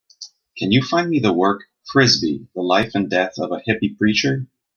Can you find me the work, Frisbee: The Life and Death of a Hippie Preacher?